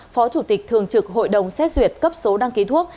phó chủ tịch thường trực hội đồng xét duyệt cấp số đăng ký thuốc